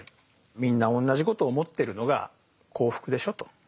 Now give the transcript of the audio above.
みんな同じこと思ってるのが幸福でしょと。